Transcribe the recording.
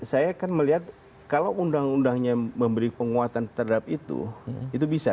saya kan melihat kalau undang undangnya memberi penguatan terhadap itu itu bisa